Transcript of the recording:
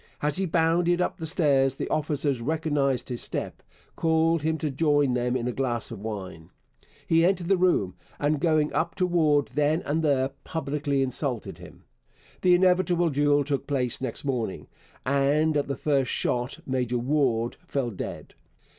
As he bounded up the stairs, the officers, recognizing his step, called to him to join them in a glass of wine. He entered the room, and going up to Warde then and there publicly insulted him. The inevitable duel took place next morning, and at the first shot Major Warde fell dead.